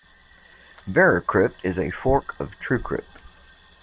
VeraCrypt is a fork of TrueCrypt.